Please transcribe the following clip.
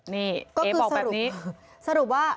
นี่เอ๊ะบอกแบบนี้ก็คือสรุปสรุปว่า